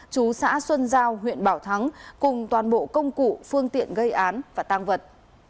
chú xã xuân giao huyện bảo thắng cùng toàn bộ công cụ phương tiện gây án và tăng vật